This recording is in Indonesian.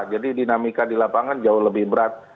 jadi dinamika di lapangan jauh lebih berat